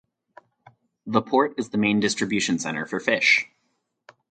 The port is the main distribution center for fish.